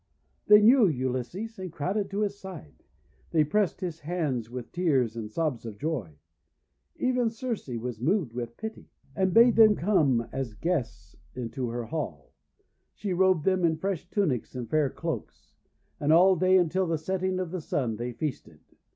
They knew Ulysses, and crowded to his side. They pressed his hands with tears and sobs of joy. Even Circe was moved with pity, and bade them corneas guests into her hall. She robed them in fresh tunics and fair cloaks. And all day, until the setting of the Sun, they feasted.